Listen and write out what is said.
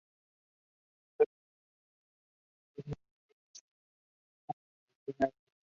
Estas responden diciendo que Josh se fue a una convención de arte.